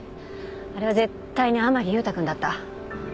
あれは絶対に天樹勇太君だった。